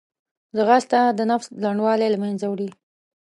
ځغاسته د نفس لنډوالی له منځه وړي